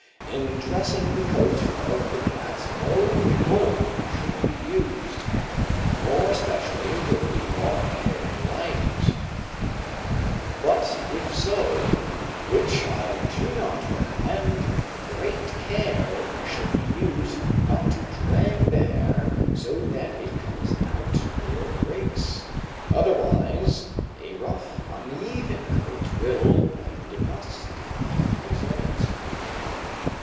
In dressing the coat of the cat no comb should be used, more especially with the long haired varieties; but if so, which I do not recommend, great care should be used not to drag the hair so that it comes out, or breaks, otherwise a rough, uneven coat will and must be the result.